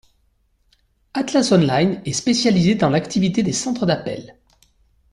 Atlas Online, est spécialisée dans l’activité des centres d’appels.